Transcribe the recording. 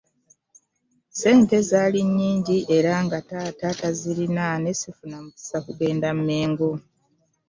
Ssente zaali nnyingi era nga taata tazirina ne sifuna mukisa kugenda Mmengo.